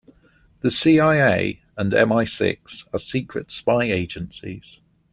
The CIA and MI-Six are secret spy agencies.